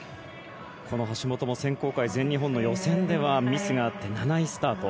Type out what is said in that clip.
この橋本も選考会全日本の予選ではミスがあって７位スタート。